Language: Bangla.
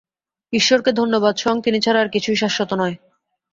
ঈশ্বরকে ধন্যবাদ, স্বয়ং তিনি ছাড়া আর কিছুই শাশ্বত নয়।